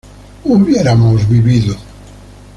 hubiéramos vivido